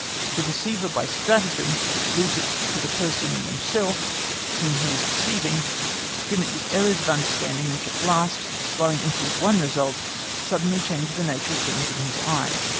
The deceiver by stratagem leaves it to the person himself whom he is deceiving to commit the errors of understanding which at last, flowing into one result, suddenly change the nature of things in his eyes.